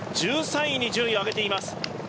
１３位に順位を上げています。